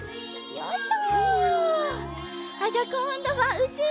よいしょ。